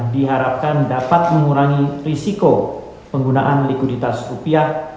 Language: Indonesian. diharapkan dapat mengurangi risiko penggunaan likuiditas rupiah